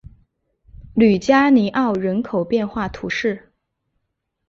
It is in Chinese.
吕加尼昂人口变化图示